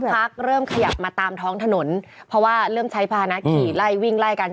พักเริ่มขยับมาตามท้องถนนเพราะว่าเริ่มใช้ภานะขี่ไล่วิ่งไล่กัน